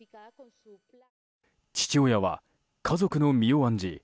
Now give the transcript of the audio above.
父親は家族の身を案じ